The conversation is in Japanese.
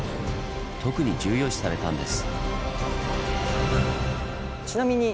特に重要視されたんです。